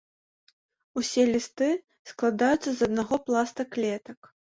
Усе лісты складаюцца з аднаго пласта клетак.